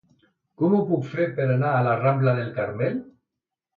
Com ho puc fer per anar a la rambla del Carmel?